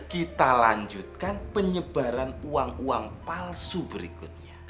kita lanjutkan penyebaran uang uang palsu berikutnya